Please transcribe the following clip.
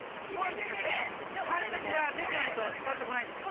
感触が手じゃないと伝わって来ないんですよ。